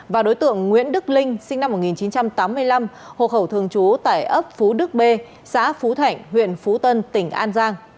và đối tượng nguyễn đức linh sinh năm một nghìn chín trăm tám mươi năm hộ khẩu thường trú tại ấp phú đức b xã phú thạnh huyện phú tân tỉnh an giang